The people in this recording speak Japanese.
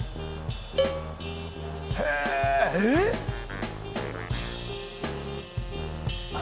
へええっ？